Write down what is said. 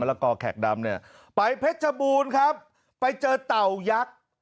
แล้วก็แขกดำเนี่ยไปเพชรบูรณ์ครับไปเจอเต่ายักษ์